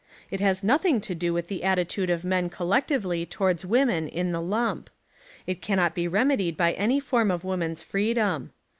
It has nothing to do with the attitude of men collectively towards women in the lump. It cannot be remedied by any form of woman's freedom.